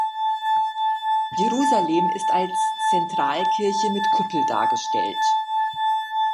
Jerusalem ist als Zentralkirche mit Kuppel dargestellt.